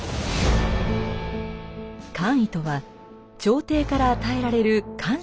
官位とは朝廷から与えられる官職のこと。